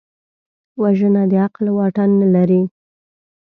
وژنه د عقل واټن نه لري